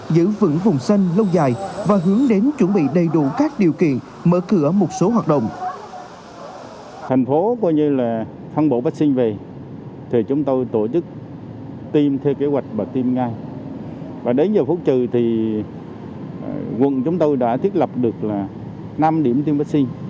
giữ vững vùng xanh lâu dài và hướng đến chuẩn bị đầy đủ các điều kiện mở cửa một số hoạt động